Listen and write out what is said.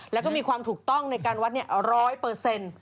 แล้วก็มีความถูกต้องในการวัดร้อยเปอร์เซ็นต์